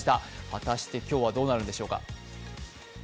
果たして今日はどうなるんでしょうか。